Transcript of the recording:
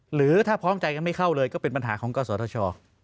หรือถ้าพร้อมใจกันไม่เข้าเลยก็เป็นปัญหาของกศธช